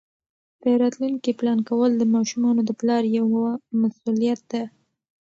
د راتلونکي پلان کول د ماشومانو د پلار یوه مسؤلیت ده.